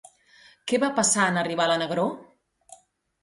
Què va passar en arribar la negror?